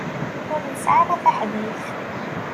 Ur nesɛi ara taḥdayt.